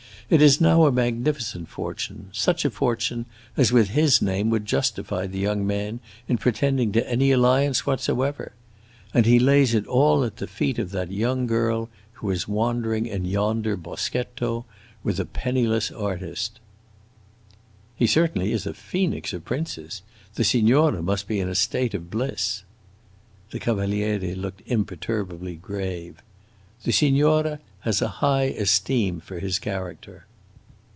It is now a magnificent fortune; such a fortune as, with his name, would justify the young man in pretending to any alliance whatsoever. And he lays it all at the feet of that young girl who is wandering in yonder boschetto with a penniless artist." "He is certainly a phoenix of princes! The signora must be in a state of bliss." The Cavaliere looked imperturbably grave. "The signora has a high esteem for his character."